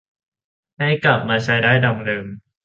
ให้กลับมาใช้ได้ดังเดิม